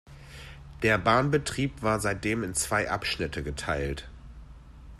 Der Bahnbetrieb war seitdem in zwei Abschnitte geteilt.